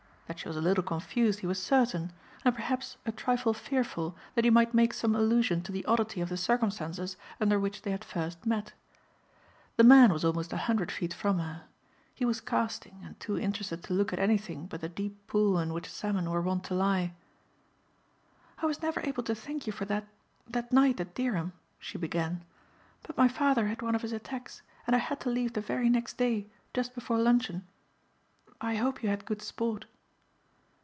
That she was a little confused he was certain, and perhaps a trifle fearful that he might make some allusion to the oddity of the circumstances under which they had first met. The man was almost a hundred feet from her. He was casting and too interested to look at anything but the deep pool in which salmon were wont to lie. "I was never able to thank you for that, that night at Dereham," she began, "but my father had one of his attacks and I had to leave the very next day just before luncheon. I hope you had good sport."